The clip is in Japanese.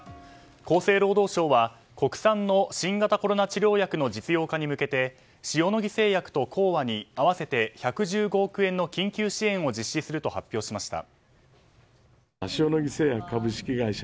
厚生労働省は国産の新型コロナ治療薬の実用化に向けて塩野義製薬と興和に合わせて１１５億円の緊急支援を実施すると発表しました。